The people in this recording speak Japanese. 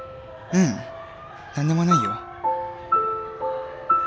ううん、何でもないよ。